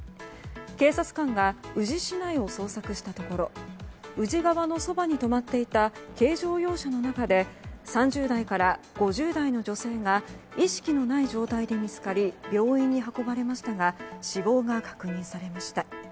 警察官が宇治市内を捜索したところ宇治川のそばに止まっていた軽乗用車の中で３０代から５０代の女性が意識のない状態で見つかり病院に運ばれましたが死亡が確認されました。